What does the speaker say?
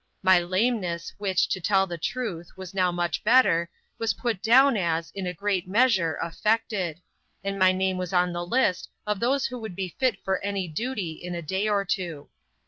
My lameness, which, to tell the truth, was now much better, was put down as, in a great measure, affected ; and my name was on the list of those who would be fit for any duty in a day or two.